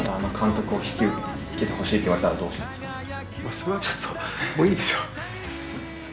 それはちょっともういいでしょう。